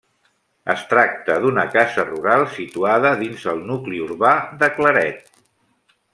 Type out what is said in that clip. Es tracta d'una casa rural situada dins el nucli urbà de Claret.